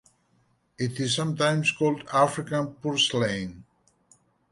It is sometimes called African purslane.